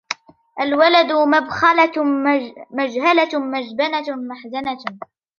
الْوَلَدُ مَبْخَلَةٌ مَجْهَلَةٌ مَجْبَنَةٌ مَحْزَنَةٌ